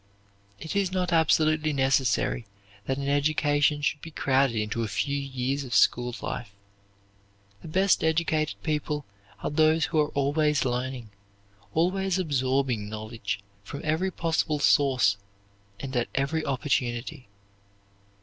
It is not absolutely necessary that an education should be crowded into a few years of school life. The best educated people are those who are always learning, always absorbing knowledge from every possible source and at every opportunity.